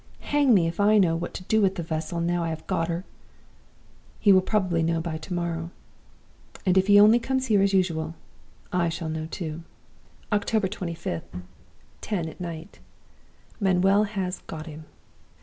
Hang me if I know what to do with the vessel, now I have got her!' "He will probably know by to morrow. And if he only comes here as usual, I shall know too!" "October 25th. Ten at night. Manuel has got him!